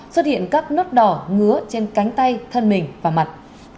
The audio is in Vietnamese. xuất hiện các nốt đỏ ngứa trên cánh tay thân mình và mặt